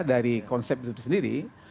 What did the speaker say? dari konsep itu sendiri